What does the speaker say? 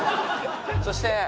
「そして」